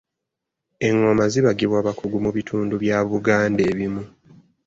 Engoma zibaggibwa bakugu mu bitundu bya buganda ebimu.